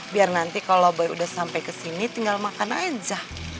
biar nanti kalau udah sampai ke sini tinggal makan aja